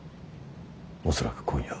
恐らく今夜。